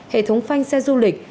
hệ thống phanh xe du lịch